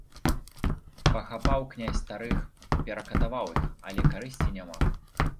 Пахапаў князь старых, перакатаваў іх, але карысці няма.